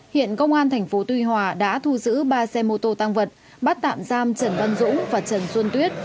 hiện công an tp tuy hòa đã thu giữ ba xe mô tô tăng vật bắt tạm giam trần văn dũng và trần xuân tuyết